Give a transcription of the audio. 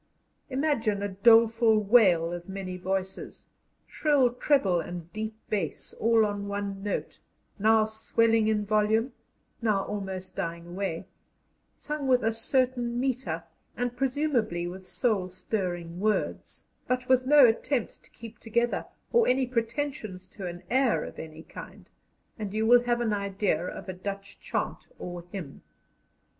Imagine a doleful wail of many voices, shrill treble and deep bass, all on one note, now swelling in volume, now almost dying away, sung with a certain metre, and presumably with soul stirring words, but with no attempt to keep together or any pretensions to an air of any kind, and you will have an idea of a Dutch chant or hymn.